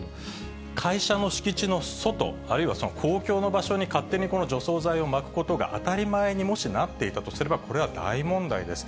会社の敷地の外、あるいは公共の場所に、勝手にこの除草剤をまくことが当たり前にもしなっていたとすれば、これは大問題です。